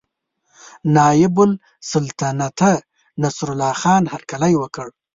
نایب السلطنته نصرالله خان هرکلی وکړ.